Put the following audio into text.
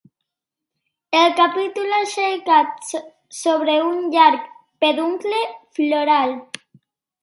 El capítol aixecat sobre un llarg peduncle floral.